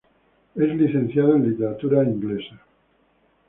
Es licenciado en literatura inglesa.